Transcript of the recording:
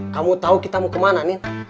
kamu tahu kita mau kemana nih